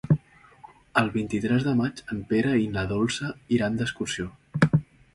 El vint-i-tres de maig en Pere i na Dolça iran d'excursió.